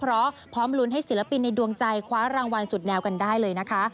เพราะพร้อมลุ้นให้ศิลปินในดวงใจคว้ารางวัลสุดแนวกันได้เลยนะคะ